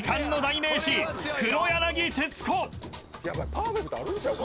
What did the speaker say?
パーフェクトあるんちゃうか？